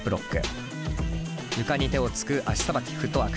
床に手をつく足さばきフットワーク。